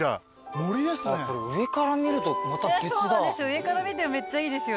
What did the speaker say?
上から見てもめっちゃいいですよね。